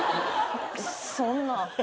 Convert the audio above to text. そんな。